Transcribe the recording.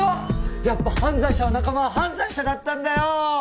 やっぱ犯罪者の仲間は犯罪者だったんだよ！